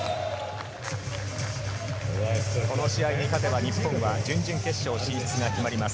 この試合に勝てば、日本は準々決勝に進出が決まります。